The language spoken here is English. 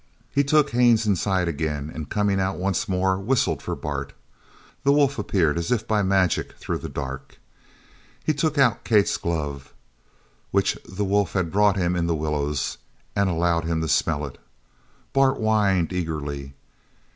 He took Haines inside again and coming out once more, whistled for Bart. The wolf appeared as if by magic through the dark. He took out Kate's glove, which the wolf had brought to him in the willows, and allowed him to smell it. Bart whined eagerly.